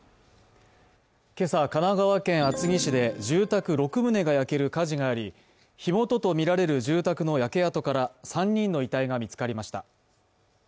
今朝、神奈川県厚木市で住宅６棟が焼ける火事があり、火元とみられる住宅の焼け跡から３人の遺体が見つかりました。